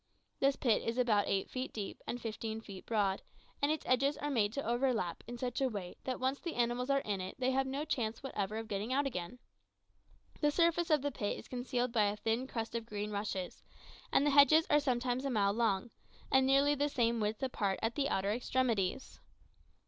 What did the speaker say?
This pit is about eight feet deep and fifteen feet broad, and its edges are made to overlap in such a way that once the animals are in it, they have no chance whatever of getting out again. The surface of the pit is concealed by a thin crust of green rushes, and the hedges are sometimes a mile long, and nearly the same width apart at the outer extremities.